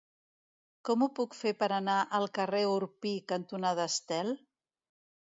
Com ho puc fer per anar al carrer Orpí cantonada Estel?